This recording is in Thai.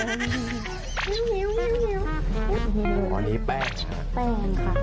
อันนี้แป้งค่ะแป้งแป้งค่ะ